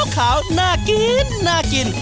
ขาวน่ากิน